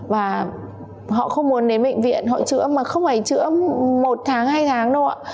và họ không muốn đến bệnh viện họ chữa mà không phải chữa một tháng hay tháng đâu ạ